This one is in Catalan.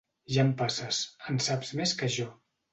Ja em passes: en saps més que jo.